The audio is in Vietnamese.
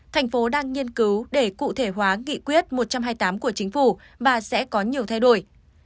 thành phố đang nghiên cứu để cụ thể hóa nghị quyết một trăm hai mươi tám của chính phủ và sẽ có nhiều thay đổi